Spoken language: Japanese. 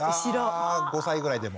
あ５歳ぐらいでも。